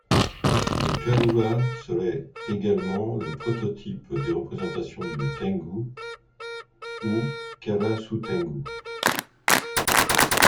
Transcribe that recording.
Le karura serait également le prototype des représentations du tengu ou karasutengu.